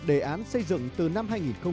đề án xây dựng từ năm hai nghìn sáu